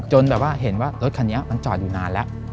แบบว่าเห็นว่ารถคันนี้มันจอดอยู่นานแล้ว